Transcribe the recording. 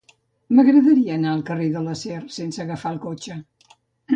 M'agradaria anar al carrer de l'Acer sense agafar el cotxe.